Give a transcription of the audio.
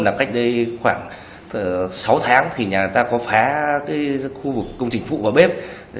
là cách đây khoảng sáu tháng thì nhà ta có phá cái khu vực công trình phụ vào bếp